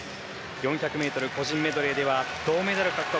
４００ｍ個人メドレーでは銅メダル獲得。